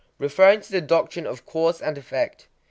Referring to the doctrine of cause and effect.